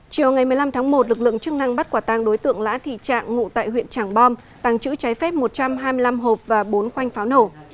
chiều một mươi năm một lực lượng chức năng bắt quả tăng đối tượng lã thị trạng ngụ tại huyện trảng bom tăng chữ trái phép một trăm hai mươi năm hộp và bốn khoanh pháo nổ